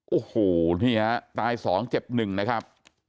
โอ้โหนี่ฮะตาย๒เจ็บ๑นะครับ